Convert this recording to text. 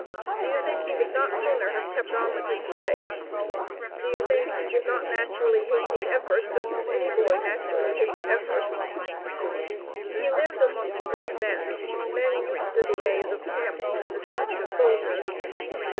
Do you think he would not sooner have kept on with his play? Do you think he did not naturally hate the effort just as any boy naturally hates effort? He lived amongst rough men, men used to the ways of camps and the speech of soldiers.